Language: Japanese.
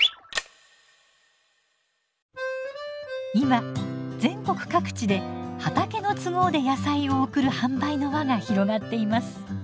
今全国各地で畑の都合で野菜を送る販売の輪が広がっています。